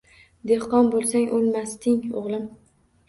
Dehqon bo’lsang o’lmasding, o’g’lim